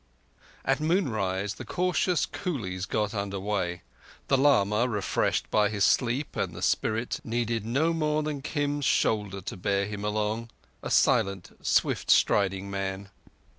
At moonrise the cautious coolies got under way. The lama, refreshed by his sleep and the spirit, needed no more than Kim's shoulder to bear him along—a silent, swift striding man.